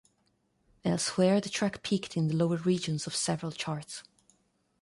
Elsewhere, the track peaked in the lower regions of several charts.